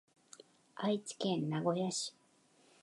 愛知県名古屋市